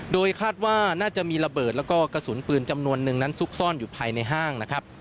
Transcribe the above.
โดยคาดว่าน่าจะมีระเบิดแล้วก็กระสุนปืนจำนวนนึงนั้นซุกซ่อนอยู่ภายในห้างนะครับ